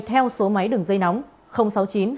theo số máy đường dây nóng